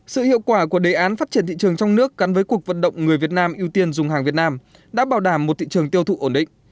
sự hiệu quả của đề án phát triển thị trường trong nước gắn với cuộc vận động người việt nam ưu tiên dùng hàng việt nam đã bảo đảm một thị trường tiêu thụ ổn định